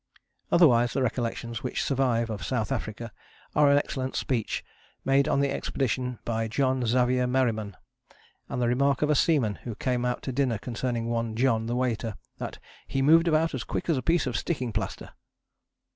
Otherwise the recollections which survive of South Africa are an excellent speech made on the expedition by John Xavier Merriman, and the remark of a seaman who came out to dinner concerning one John, the waiter, that "he moved about as quick as a piece of sticking plaster!"